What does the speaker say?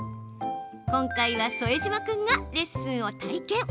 今回は、副島君がレッスンを体験。